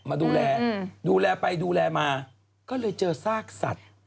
มาดูแลดูแลไปดูแลมาก็เลยเจอซากสัตว์